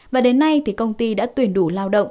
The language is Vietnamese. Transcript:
và đến nay thì công ty đã tuyển đủ lao động